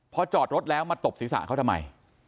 พอจอดรถแล้วมาตบศีรษะเขาทำไม